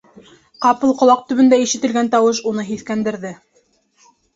- Ҡапыл ҡолаҡ төбөндә ишетелгән тауыш уны һиҫкәндерҙе.